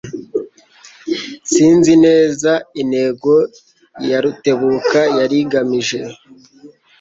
Sinzi neza intego ya Rutebuka yari igamije